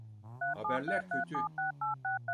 Haberler kötü.